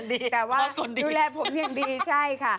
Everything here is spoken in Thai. ดูแลผมยังดีดูแลผมยังดีใช่ค่ะ